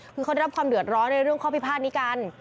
คือเขาได้รับความเดือดร้อนในเรื่องข้อพิพาทนี้กัน